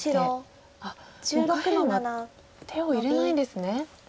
もう下辺は手を入れないんですね。